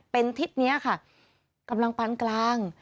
เป็นทิศนี้ค่ะกำลังปานกลาง